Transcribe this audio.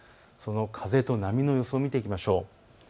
その風と波の予想を見ていきましょう。